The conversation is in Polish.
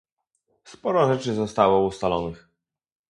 Sporo rzeczy zostało ustalonych